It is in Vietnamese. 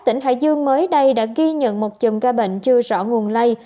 tỉnh hải dương mới đây đã ghi nhận một chùm ca bệnh chưa rõ nguồn lây